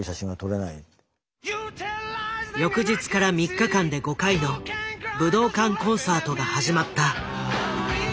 翌日から３日間で５回の武道館コンサートが始まった。